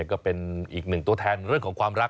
ก็เป็นอีกหนึ่งตัวแทนเรื่องของความรัก